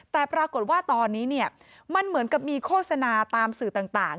แต่ปรากฏว่าตอนนี้มันเหมือนกับมีโฆษณาตามสื่อต่าง